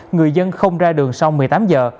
người dân không ra đường sau một mươi tám giờ